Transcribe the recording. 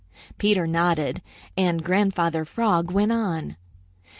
Peter nodded and Grandfather Frog went on.